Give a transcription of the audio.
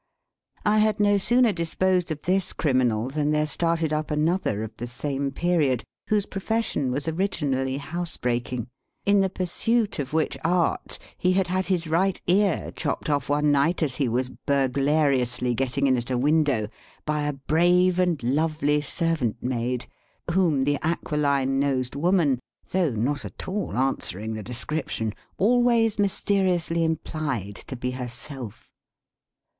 I had no sooner disposed of this criminal than there started up another of the same period, whose profession was originally house breaking; in the pursuit of which art he had had his right ear chopped off one night, as he was burglariously getting in at a window, by a brave and lovely servant maid (whom the aquiline nosed woman, though not at all answering the description, always mysteriously implied to be herself).